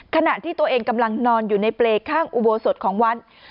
ขณะที่ตัวเองกำลังนอนอยู่ในเปรย์ข้างอุโบสถของวัด